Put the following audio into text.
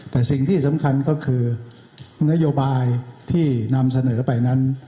แต่สิ่งที่สำคัญก็คือนโยบายที่นำเสนอไปนั้น